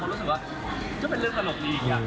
ก็รู้สึกว่าก็เป็นเรื่องตลกนี้อีกอะ